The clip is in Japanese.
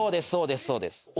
そうですそうです。